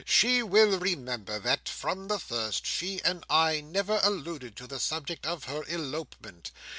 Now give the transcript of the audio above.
She will remember that, from the first, she and I never alluded to the subject of her elopement.